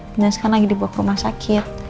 dan sekarang lagi dibawa ke rumah sakit